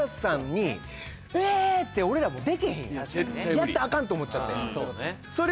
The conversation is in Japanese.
やったらアカンと思っちゃって・